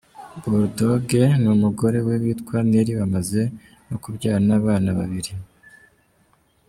Bulldogg n’umugore we witwa Nelly bamaze no kubyarana abana babiri.